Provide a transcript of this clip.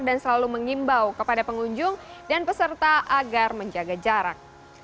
dan selalu mengimbau kepada pengunjung dan peserta agar menjaga jarak